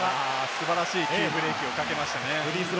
素晴らしいフットブレーキをかけましたね。